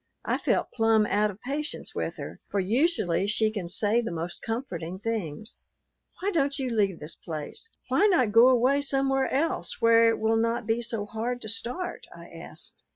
I felt plumb out of patience with her, for usually she can say the most comforting things. "Why don't you leave this place? Why not go away somewhere else, where it will not be so hard to start?" I asked.